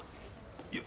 いや。